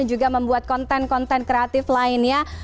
juga membuat konten konten kreatif lainnya